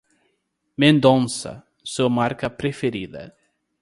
"Mendonça! Sua marca preferida.